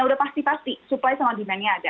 udah pasti pasti supply sama demand nya ada